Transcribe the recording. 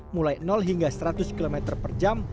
mulai hingga seratus km per jam